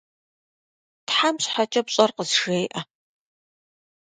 Тхьэм щхьэкӏэ пщӏэр къызжеӏэ!